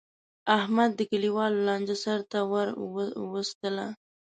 احمد د کلیوالو لانجه سرته ور وستله.